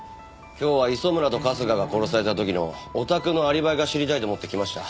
今日は磯村と春日が殺された時のお宅のアリバイが知りたいと思って来ました。